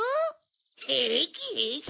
へいきへいき！